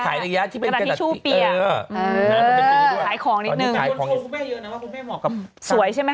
เป็นแบบพรีเซนเตอร์ผิวอะไรอย่างนี้